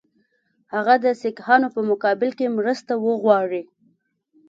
هغه د سیکهانو په مقابل کې مرسته وغواړي.